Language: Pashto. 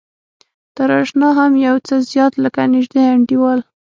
تر اشنا هم يو څه زيات لکه نژدې انډيوال.